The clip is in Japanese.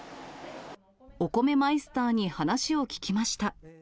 お米マイスターに話を聞きました。